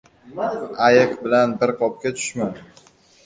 • Ayiq bilan bir qopga tushma.